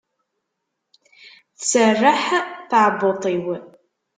Tserreḥ teɛbuḍt-iw.